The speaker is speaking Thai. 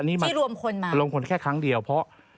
นี่มาที่รวมคนมารวมคนแค่ครั้งเดียวเพราะ